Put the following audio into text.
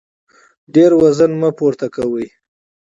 ډېر وزن مه اوچتوه